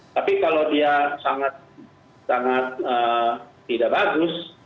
tapi kalau dia sangat tidak bagus